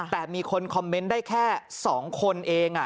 แต่มีคนคอมเมนต์ได้แค่๒คนเอง